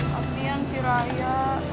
kasian si raya